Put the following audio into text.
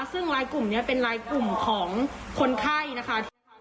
ซึ่งลายกลุ่มนี้เป็นลายกลุ่มของคนไข้นะคะ